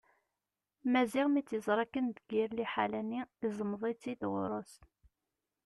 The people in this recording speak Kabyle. Maziɣ mi tt-yeẓra akken deg yir liḥala-nni iẓmeḍ-itt-id ɣur-s.